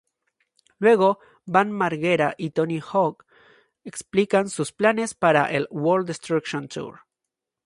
Luego, Bam Margera y Tony Hawk explican sus planes para el "World Destruction Tour".